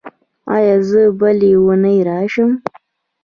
ایا زه بلې اونۍ راشم؟